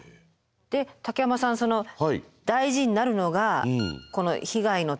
で竹山さんその大事になるのがこの被害の程度という。